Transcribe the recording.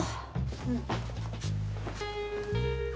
うん。